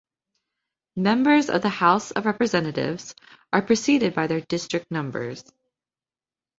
Members of the House of Representatives are preceded by their district numbers.